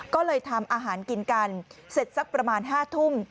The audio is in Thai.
ก็เลยทำอาหารกินกันเสร็จสักประมาณ๕ทุ่ม